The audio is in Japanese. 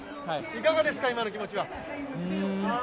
いかがですか、今の気持ちは。